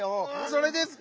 「それ」ですか？